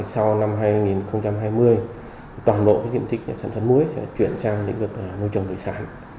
sau năm hai nghìn hai mươi toàn bộ diện tích sản xuất muối sẽ chuyển sang lĩnh vực nuôi trồng thủy sản